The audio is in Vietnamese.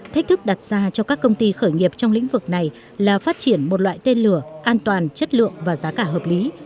thách thức đặt ra cho các công ty khởi nghiệp trong lĩnh vực này là phát triển một loại tên lửa an toàn chất lượng và giá cả hợp lý